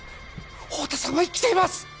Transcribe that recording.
太田さんは生きています